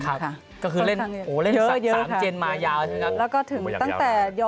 ประกบมากับทุกคนเลย